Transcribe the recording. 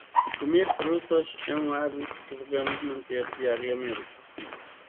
Comer frutas é um hábito que devemos manter diariamente.